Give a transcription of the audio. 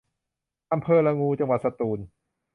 อำเภอละงู จังหวัดสตูล